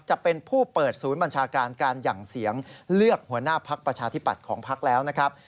จะเป็นผู้เปิดศูนย์บัญชาการการหยั่งเสียงเลือกหัวหน้าพักประชาธิปัตย์ของพักแล้วนะครับ